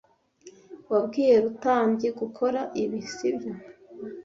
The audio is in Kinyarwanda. Wabwiye Rutambi gukora ibi, sibyo?